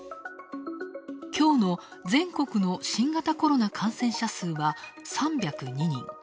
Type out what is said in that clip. きょうの全国の新型コロナ感染者数は３０２人。